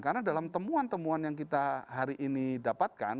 karena dalam temuan temuan yang kita hari ini dapatkan